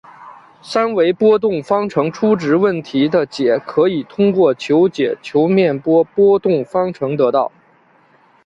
三维波动方程初值问题的解可以通过求解球面波波动方程得到。